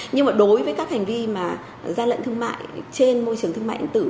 nhưng mà đối với các hành vi mà gian lận thương mại trên môi trường thương mại điện tử